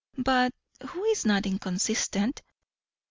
but who is not inconsistent?